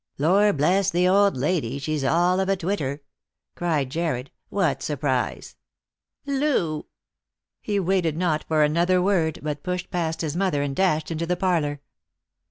" Lord bless the old lady, she's all of a twitter !" cried Jarred. " What surprise?" "Loo!" He waited for not another word, but pushed past his mother and dashed into the parlour.